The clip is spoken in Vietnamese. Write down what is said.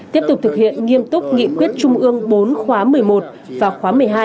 tiếp tục thực hiện nghiêm túc nghị quyết trung ương bốn khóa một mươi một và khóa một mươi hai